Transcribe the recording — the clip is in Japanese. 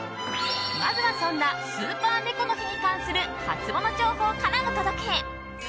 まずはそんなスーパー猫の日に関するハツモノ情報からお届け。